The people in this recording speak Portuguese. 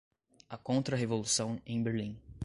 A Contra-Revolução em Berlim